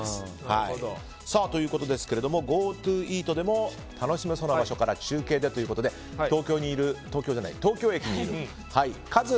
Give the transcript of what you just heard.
ということですがＧｏＴｏイートでも楽しめそうな場所から中継でということで東京駅にいる、カズ！